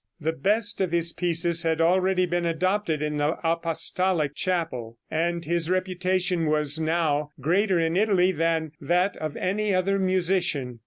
The best of his pieces had already been adopted in the apostolic chapel, and his reputation was now greater in Italy than that of any other musician.